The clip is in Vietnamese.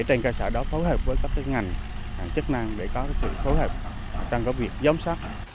trên cơ sở đó phối hợp với các ngành chức năng để có sự phối hợp trong việc giám sát